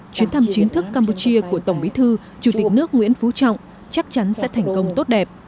chuyến thăm chính thức campuchia của tổng bí thư chủ tịch nước nguyễn phú trọng chắc chắn sẽ thành công tốt đẹp